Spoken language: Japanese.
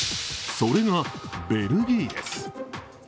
それが、ベルギーです。